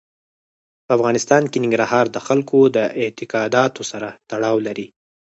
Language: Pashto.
په افغانستان کې ننګرهار د خلکو د اعتقاداتو سره تړاو لري.